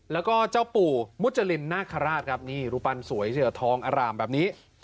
แล้วก็เจ้าปู่มุจรินนาคาราชครับนี่รูปปั้นสวยเสือทองอร่ามแบบนี้